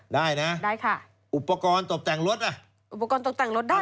ได้นะได้ค่ะอุปกรณ์ตกแต่งรถอ่ะอุปกรณ์ตกแต่งรถได้